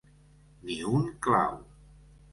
Ni un clau.